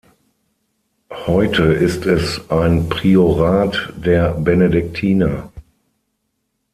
Heute ist es ein Priorat der Benediktiner.